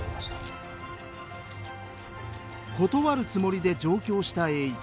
断るつもりで上京した栄一。